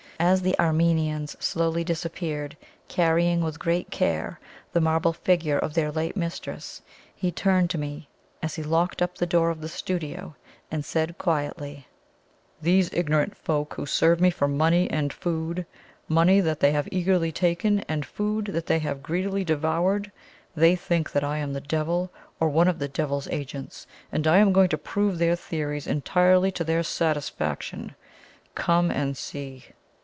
As the Armenians slowly disappeared, carrying with great care the marble figure of their late mistress, he turned to me, as he locked up the door of the studio, and said quietly: "These ignorant folk, who serve me for money and food money that they have eagerly taken, and food that they have greedily devoured they think that I am the devil or one of the devil's agents, and I am going to prove their theories entirely to their satisfaction. Come and see!"